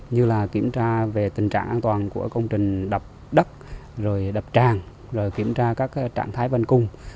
như là kiểm tra về tình trạng an toàn của công trình đập đất rồi đập tràn rồi kiểm tra các trạng thái bên cung